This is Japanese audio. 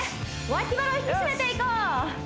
脇腹を引き締めていこう！